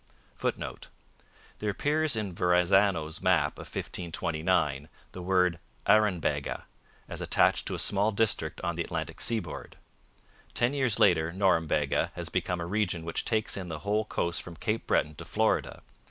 [Footnote: There appears in Verrazano's map of 1529 the word Aranbega, as attached to a small district on the Atlantic seaboard. Ten years later Norumbega has become a region which takes in the whole coast from Cape Breton to Florida.